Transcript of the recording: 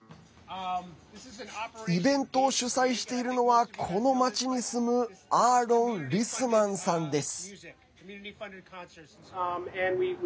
イベントを主催しているのはこの街に住むアーロン・リスマンさんです。